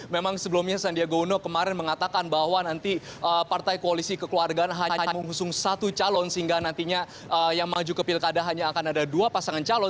memang sebelumnya sandiaga uno kemarin mengatakan bahwa nanti partai koalisi kekeluargaan hanya mengusung satu calon sehingga nantinya yang maju ke pilkada hanya akan ada dua pasangan calon